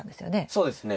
そうですね。